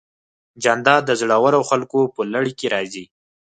جانداد د زړورو خلکو په لړ کې راځي.